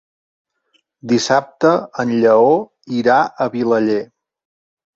Dissabte en Lleó irà a Vilaller.